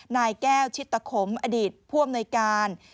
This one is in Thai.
นายแก้วชิตะขมอดีตพ่วงหน่วยการ